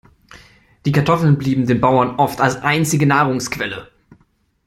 Die Kartoffeln blieben den Bauern oft als einzige Nahrungsquelle.